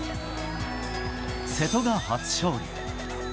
瀬戸が初勝利。